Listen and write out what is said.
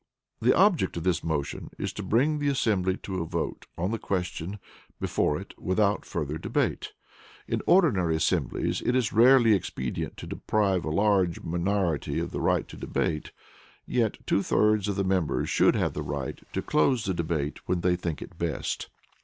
] The Object of this motion is to bring the assembly to a vote on the question before it without further debate. In ordinary assemblies it is rarely expedient to deprive a large minority of the right of debate, and yet two thirds of the members should have the right to close the debate when they think it best.